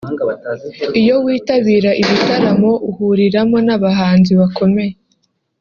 Iyo witabira ibitaramo uhuriramo n’abahanzi bakomeye